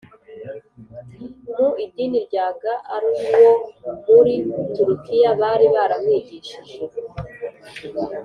Mu idini rya ga ar wo muri turukiya bari baramwigishije